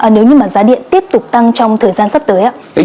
nếu như mà giá điện tiếp tục tăng trong thời gian sắp tới ạ